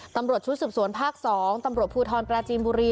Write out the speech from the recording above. ตำรวจชุดสืบสวนภาค๒ตำรวจภูทรปราจีนบุรี